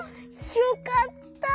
よかった。